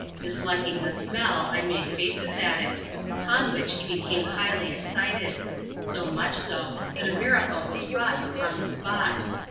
Disliking the smell, I made faces at it ; upon which he became highly excited; so much so, that a miracle was wrought upon the spot.